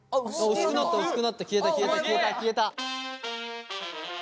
薄くなった薄くなった消えた消えた。